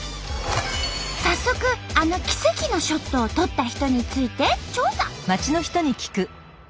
早速あの奇跡のショットを撮った人について調査！